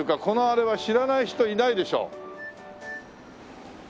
このあれは知らない人いないでしょ。